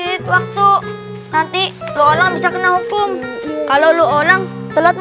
ya udah angkat angkat